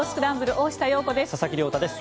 大下容子です。